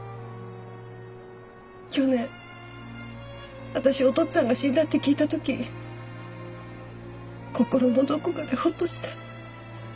去年私お父っつぁんが死んだって聞いた時心のどこかでほっとした。